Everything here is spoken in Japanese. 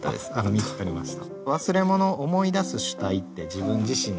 見つかりました。